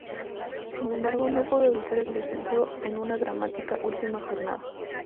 Sin embargo, no pudo evitar el descenso en una dramática última jornada.